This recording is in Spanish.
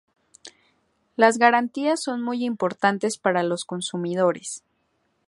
Las garantías son muy importantes para los consumidores.